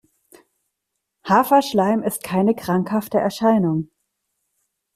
Haferschleim ist keine krankhafte Erscheinung.